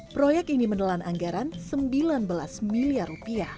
proyek ini menelan anggaran rp sembilan belas miliar